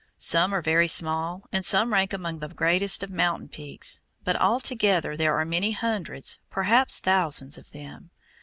Some are very small and some rank among the greatest of mountain peaks, but all together there are many hundreds, perhaps thousands, of them.